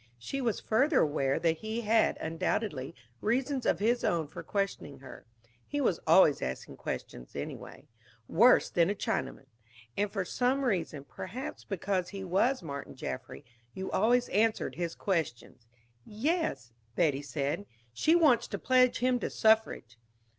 She was further aware that he had, undoubtedly, reasons of his own for questioning her. He was always asking questions, anyway. Worse than a Chinaman. And for some reason perhaps because he was Martin Jaffry you always answered his questions. "Yes," said Betty. "She wants to pledge him to suffrage."